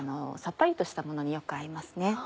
さっぱりとしたものによく合いますね。